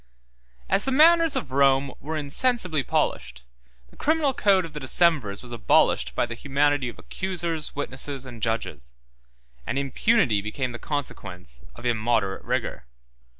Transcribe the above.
As the manners of Rome were insensibly polished, the criminal code of the decemvirs was abolished by the humanity of accusers, witnesses, and judges; and impunity became the consequence of immoderate rigor.